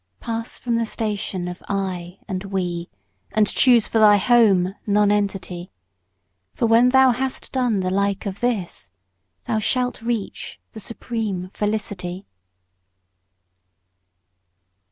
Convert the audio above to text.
Pass from the station of "I" and "We," and choose for thy home Nonentity, For when thou has done the like of this, thou shalt reach the supreme Felicity.